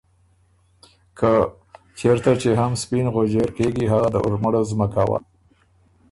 که ”چېرته چې هم سپېن غؤجېر کېږي هغه د ارمړو زمکه وه“